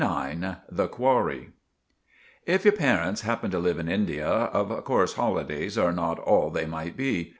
IX* *THE QWARRY* If your parints happen to live in India, of corse holidays are not all they might be.